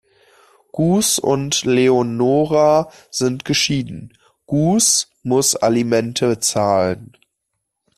Gus und Leonora sind geschieden, Gus muss Alimente zahlen.